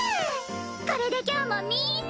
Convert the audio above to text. これで今日もみんな！